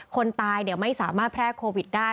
คนตายไม่สามารถแพร่โควิดได้